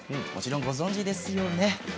もちろんご存じですよね？